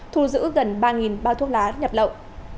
thu giữ gần ba bao thuốc lá nhập lậu